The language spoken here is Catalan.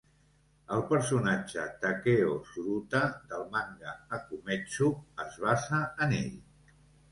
El personatge "Takeo Tsuruta" del manga "Akumetsu" es basa en ell.